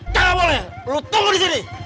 jangan boleh lo tunggu di sini